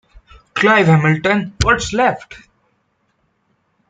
Clive Hamilton - What's Left?